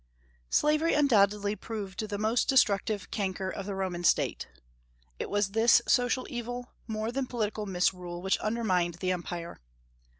Slavery undoubtedly proved the most destructive canker of the Roman State. It was this social evil, more than political misrule, which undermined the empire.